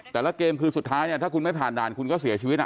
แต่ละเกมคือสุดท้ายเนี่ยถ้าคุณไม่ผ่านด่านคุณก็เสียชีวิต